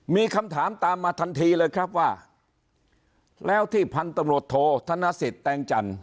มีคำถามตามมาทันทีเลยครับว่าแล้วที่พันธุ์ตำรวจโทษธนสิทธิ์แตงจันท